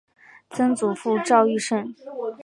曾祖父赵愈胜。